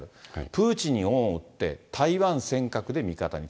プーチンに恩を売って、台湾、尖閣で味方に。